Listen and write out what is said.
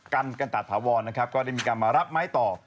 กันกันตาถาวรนะครับก็ได้มีการมารับไม้ต่อ